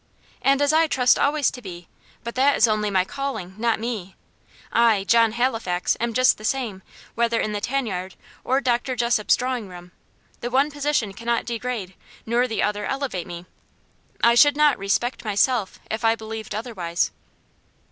"And as I trust always to be. But that is only my calling, not me. I John Halifax am just the same, whether in the tan yard or Dr. Jessop's drawing room. The one position cannot degrade, nor the other elevate, me. I should not 'respect myself' if I believed otherwise."